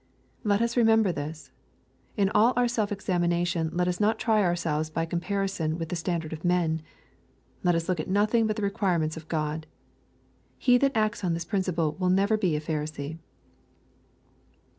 Let us remember this. In all our self examination let us not try ourselves by compar ison with the standard of men. Let us look at nothing but the requirements of God. He that acts on this principle will never be a Pharisee.